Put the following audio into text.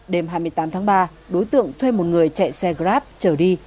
đêm hai mươi tám tháng ba đối tượng thuê một người chạy xe grab trở đi